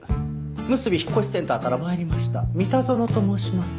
むすび引越センターから参りました三田園と申します。